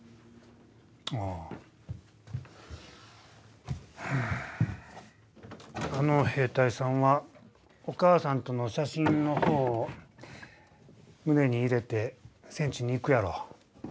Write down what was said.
あああの兵隊さんはお母さんとの写真の方を胸に入れて戦地に行くやろ？